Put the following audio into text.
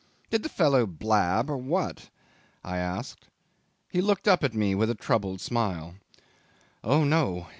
"Did the fellow blab or what?" I asked. He looked up at me with a troubled smile. "Oh, no!